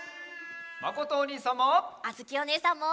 まことおにいさんも！